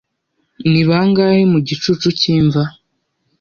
ni bangahe mu gicucu cy'imva